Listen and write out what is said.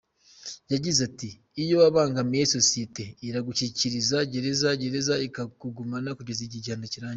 Yagize ati “Iyo wabangamiye sosiyete, ikagushyikiriza gereza, gereza irakugumana kugeza igihe igihano kirangiriye.